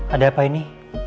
ada apa ini